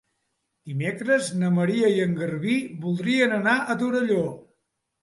Dimecres na Maria i en Garbí voldrien anar a Torelló.